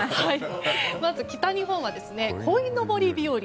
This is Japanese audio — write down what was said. まず北日本はこいのぼり日和。